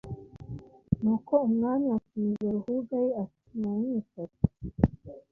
Nuko umwami atumiza Ruhuga ye, ati «nimumwicaze.»